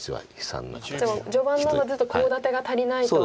序盤なのでちょっとコウ立てが足りないと。